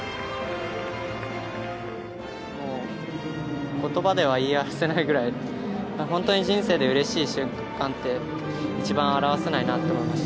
もうことばでは言い表せないぐらい、本当に人生でうれしい瞬間って、一番表せないなと思いました。